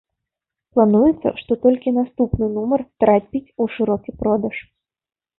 Плануецца, што толькі наступны нумар трапіць у шырокі продаж.